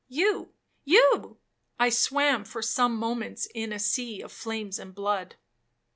'—'You,—you?' I swam for some moments in a sea of flames and blood.